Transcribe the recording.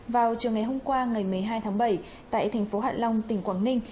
vào chiều ngày hôm qua ngày một mươi hai tháng bảy tại thành phố hạ long tỉnh quảng ninh